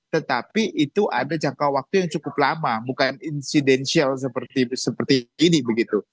tetapi itu ada jangka waktu yang cukup lama bukan insidential seperti ini begitu